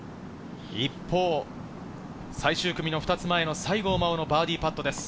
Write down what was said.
一方、最終組の２つ前の西郷真央のバーディーパットです。